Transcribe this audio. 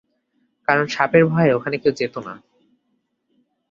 কারণ সাপের ভয়ে ওখানে কেউ যেত না।